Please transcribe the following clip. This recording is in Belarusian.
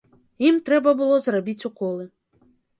Ім трэба было зрабіць уколы.